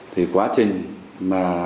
thì quá trình mà